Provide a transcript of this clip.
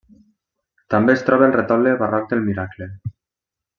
També es troba al Retaule barroc del Miracle.